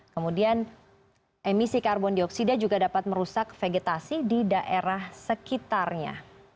kemudian emisi karbon dioksida juga dapat merusak vegetasi di daerah sekitarnya